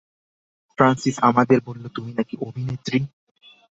Francis আমাদের বললো তুমি নাকি অভিনেত্রী।